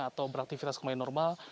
atau beraktivitas kembali normal